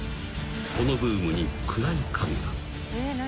このブームに暗い影が］